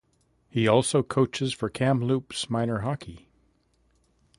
He also coaches for Kamloops Minor Hockey.